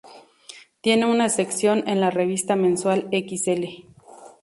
Tiene una sección en la revista mensual "xL".